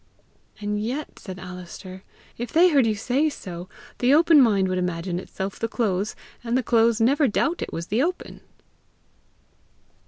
"And yet," said Alister, "if they heard you say so, the open mind would imagine itself the close, and the close never doubt it was the open!"